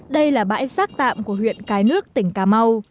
đây là bãi rác tạm của huyện cái nước tỉnh cà mau